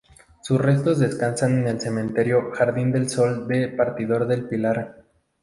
Sus restos descansan en el Cementerio Jardín del Sol de Partido del Pilar.